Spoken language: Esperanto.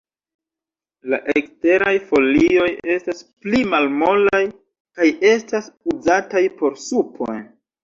La eksteraj folioj estas pli malmolaj, kaj estas uzataj por supoj.